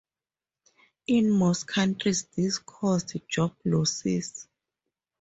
In most countries this caused job losses.